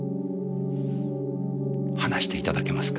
話して頂けますか？